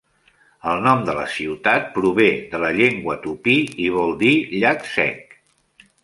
El nom de la ciutat prové de la llengua tupí i vol dir "llac sec".